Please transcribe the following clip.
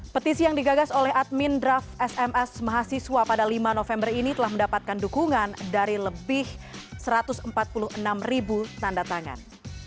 petisi yang digagas oleh admin draft sms mahasiswa pada lima november ini telah mendapatkan dukungan dari lebih satu ratus empat puluh enam ribu tanda tangan